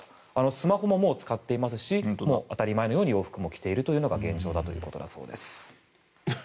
スマホも使っていますし当たり前のように洋服を着ているのが現状だということです。